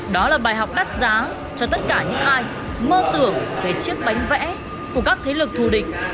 đó là bài học đắt giá cho tất cả những ai mơ tưởng về chiếc bánh vẽ của các thế lực thù địch